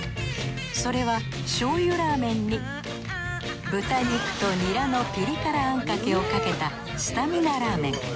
それは醤油ラーメンに豚肉とニラのピリ辛あんかけをかけたスタミナラーメン。